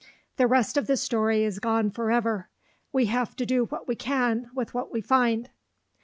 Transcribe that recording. The rest of the story is gone forever. We have to do what we can with what we find.